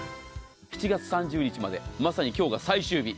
７月３０日までまさに今日が最終日。